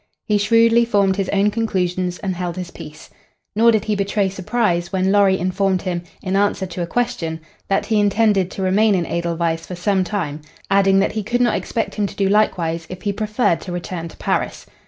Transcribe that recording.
He shrewdly formed his own conclusions and held his peace. Nor did he betray surprise when Lorry informed him, in answer to a question, that he intended to remain in Edelweiss for some time, adding that he could not expect him to do likewise if he preferred to return to Paris.